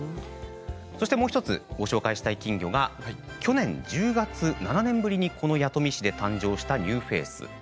そして、もう１つご紹介したい金魚が去年１０月７年ぶりにこの弥富市で誕生したニューフェース。